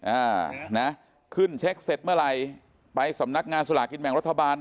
อ่านะขึ้นเช็คเสร็จเมื่อไหร่ไปสำนักงานสลากินแบ่งรัฐบาล